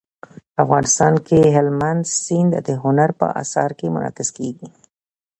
افغانستان کې هلمند سیند د هنر په اثار کې منعکس کېږي.